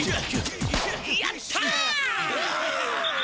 やったっ！